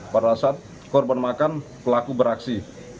pada saat korban makam pelaku beraksi